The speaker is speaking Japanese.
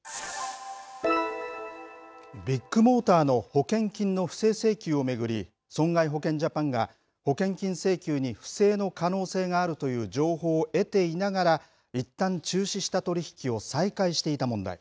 ビッグモーターの保険金の不正請求を巡り、損害保険ジャパンが保険金請求に不正の可能性があるという情報を得ていながら、いったん中止した取り引きを再開していた問題。